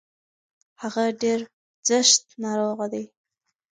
هغه ډير سځت ناروغه دی.